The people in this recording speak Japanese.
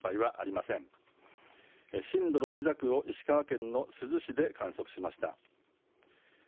震度６弱を石川県の珠洲市で観測しました。